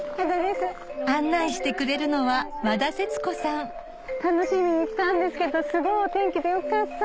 案内してくれるのは楽しみに来たんですけどすごいお天気でよかった。